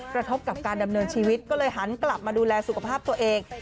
กระทบกับการดำเนินชีวิตก็เลยหันกลับมาดูแลสุขภาพตัวเอง